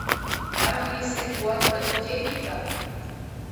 Армийысе куатле у техника?